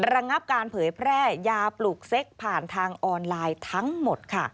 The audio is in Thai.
ระงับการเผยแพร่ยาปลูกเซ็กผ่านทางออนไลน์ทั้งหมดค่ะ